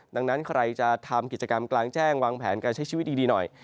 ดังนั้นใครจะทำกิจกรรมกลางแจ้งวางแผนการใช้ชีวิตดีหน่อย